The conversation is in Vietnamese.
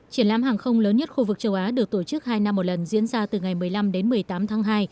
triển lãm hàng không lớn nhất khu vực châu á được tổ chức hai năm một lần diễn ra từ ngày một mươi năm đến một mươi tám tháng hai